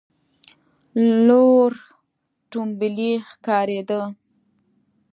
لور ټومبلی ښکارېده.